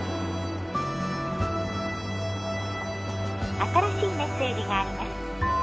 ☎「新しいメッセージがあります」